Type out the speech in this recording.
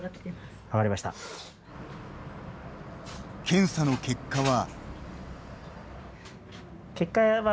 検査の結果は。